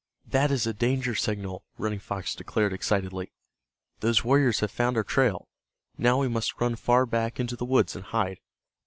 "That is a danger signal," Running Fox declared, excitedly. "Those warriors have found our trail. Now we must run far back into the woods and hide."